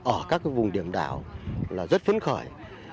ở các cái vùng điểm đảo là rất phấn khởi